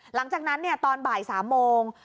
หลังจากนั้นตอนบ่าย๓โมง